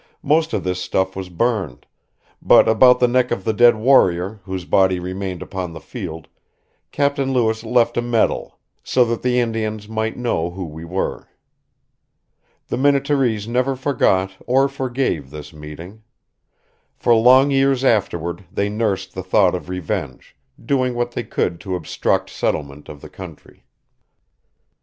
Most of this stuff was burned; but about the neck of the dead warrior, whose body remained upon the field, Captain Lewis left a medal, "so that the Indians might know who we were." The Minnetarees never forgot or forgave this meeting. For long years afterward they nursed the thought of revenge, doing what they could to obstruct settlement of the country.